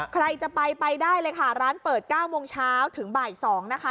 ใครจะไปไปได้เลยค่ะร้านเปิด๙โมงเช้าถึงบ่าย๒นะคะ